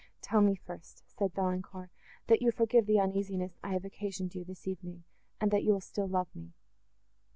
—"Tell me first," said Valancourt, "that you forgive the uneasiness I have occasioned you, this evening, and that you will still love me."